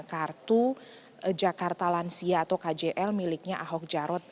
kartu jakarta lansia atau kjl miliknya ahok jarot